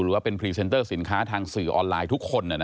ว่าเป็นพรีเซนเตอร์สินค้าทางสื่อออนไลน์ทุกคน